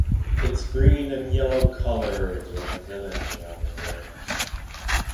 Its green and yellow colors represented the armor branch.